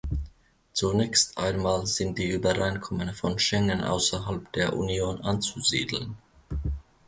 Zunächst einmal sind die Übereinkommen von Schengen außerhalb der Union anzusiedeln.